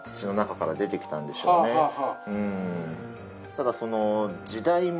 ただその。